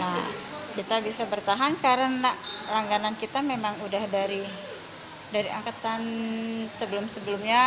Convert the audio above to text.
nah kita bisa bertahan karena langganan kita memang udah dari angkatan sebelum sebelumnya